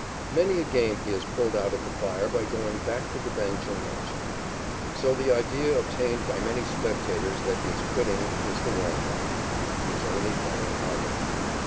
Many a game he has pulled out of the fire by going back to the bench and watching. So the idea obtained by many spectators that he is quitting is the wrong one. He is only fighting harder.